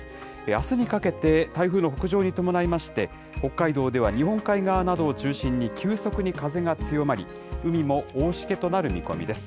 あすにかけて、台風の北上に伴いまして、北海道では日本海側などを中心に、急速に風が強まり、海も大しけとなる見込みです。